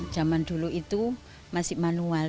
zaman dulu itu masih manual